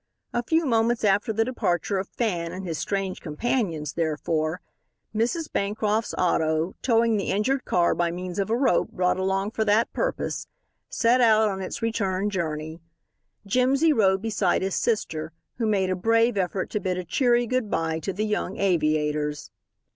A few moments after the departure of Fan and his strange companions therefore, Mrs. Bancroft's auto, towing the injured car by means of a rope brought along for that purpose, set out on its return journey. Jimsy rode beside his sister, who made a brave effort to bid a cheery good bye to the young aviators.